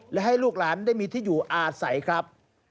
และให้ลูกหลานได้มีที่อยู่อาศัยครับ